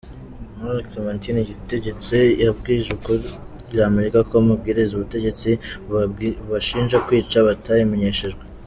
Umwali Clementine Icyitegetse yabwiye Ijwi ry’Amerika ko amabwiriza ubutegetsi bubashinja kwica batayamenyeshejwe.